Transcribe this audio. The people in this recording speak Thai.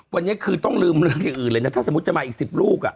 วันนี้คือต้องลืมเรื่องอย่างอื่นเลยนะถ้าสมมุติจะมาอีก๑๐ลูก